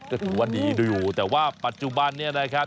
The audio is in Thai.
ก็ถือว่าดีดูอยู่แต่ว่าปัจจุบันนี้นะครับ